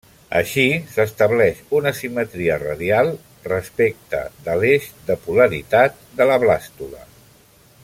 Així s'estableix una simetria radial respecte de l'eix de polaritat de la blàstula.